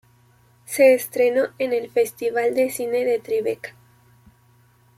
Se estrenó en el Festival de Cine de Tribeca.